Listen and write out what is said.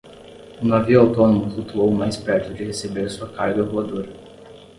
O navio autônomo flutuou mais perto de receber sua carga voadora.